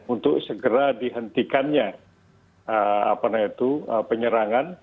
untuk segera dihentikannya penyerangan